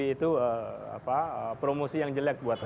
itu promosi yang jelek